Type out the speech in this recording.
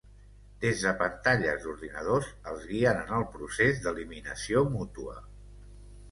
Des de pantalles d'ordinadors els guien en el procés d'eliminació mútua.